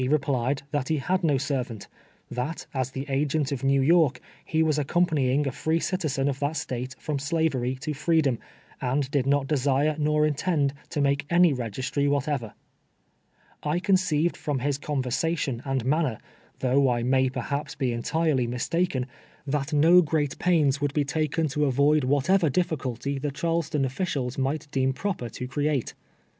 replied that he had no servant — that, as the agent of New York, he was accompanying a free citizen of that State from shivery to freedom, and did not desire nor intend to make any registry whatever, 1 conceived from his conversation and manner, th(nigh I may per liaps he entirely mistaken, that no great j^ains would be taken to avoid whatever difficulty the Charleston officials might deem projjcr to create.